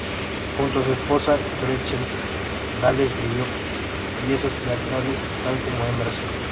Junto a su esposa Gretchen Dale escribió piezas teatrales, tal como "Mrs.